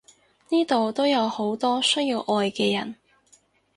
呢度都有好多需要愛嘅人！